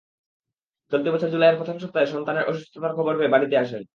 চলতি বছর জুলাইয়ের প্রথম সপ্তাহে সন্তানের অসুস্থতার খবর পেয়ে বাড়িতে আসেন।